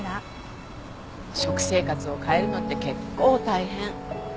食生活を変えるのって結構大変。